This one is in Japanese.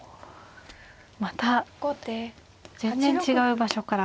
また全然違う場所から。